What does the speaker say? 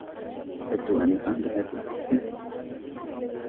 تبدوا أنيقا بهذه الثياب.